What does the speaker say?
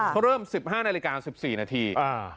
เขาเริ่ม๑๕นาฬิกา๑๔นาที